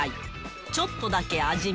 ちょっとだけ味見。